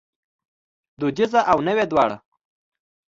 دودیزه او نوې دواړه